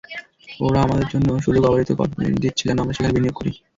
ওরা আমাদের জন্য সুযোগ অবারিত করে দিচ্ছে, যেন আমরা সেখানে বিনিয়োগ করি।